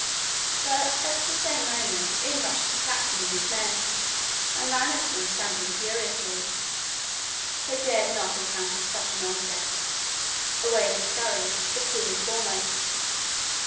But the same moment in rushed the captain and his men, and ran at them stamping furiously. They dared not encounter such an onset. Away they scurried, the queen foremost.